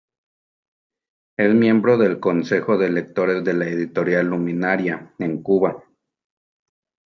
Es miembro del Consejo de Lectores de la Editorial Luminaria, en Cuba.